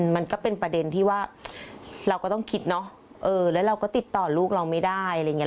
มันก็เป็นประเด็นที่ว่าเราก็ต้องคิดเนาะแล้วเราก็ติดต่อลูกเราไม่ได้อะไรอย่างเง